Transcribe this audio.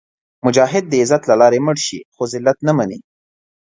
مجاهد د عزت له لارې مړ شي، خو ذلت نه مني.